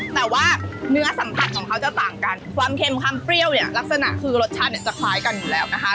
แต่ว่าเนื้อสัมผัสของเขาจะต่างกันความเค็มความเปรี้ยวเนี่ยลักษณะคือรสชาติเนี่ยจะคล้ายกันอยู่แล้วนะคะ